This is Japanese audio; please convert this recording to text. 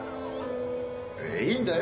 いいんだよ。